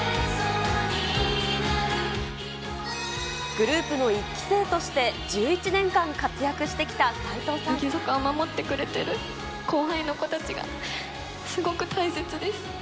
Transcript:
グループの１期生として１１年間乃木坂を守ってくれてる後輩の子たちが、すごく大切です。